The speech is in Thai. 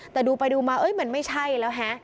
แต่ดูไปดูมามันไม่ใช่แล้วฮะ